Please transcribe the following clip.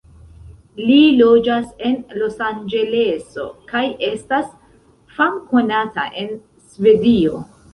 Li loĝas en Los-Anĝeleso kaj estas famkonata en Svedio.